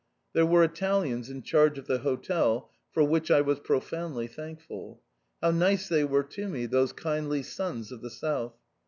There were Italians in charge of the hotel, for which I was profoundly thankful. How nice they were to me, those kindly sons of the South.